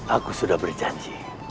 aku sudah berjanji